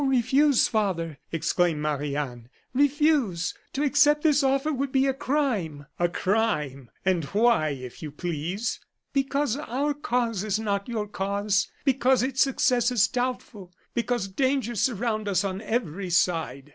refuse, father!" exclaimed Marie Anne; "refuse. To accept this offer would be a crime!" "A crime! And why, if you please?" "Because our cause is not your cause; because its success is doubtful; because dangers surround us on every side."